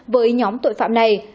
với nhóm tội phạm này